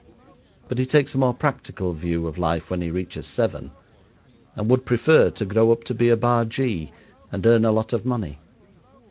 But he takes a more practical view of life when he reaches seven, and would prefer to grow up be a bargee, and earn a lot of money.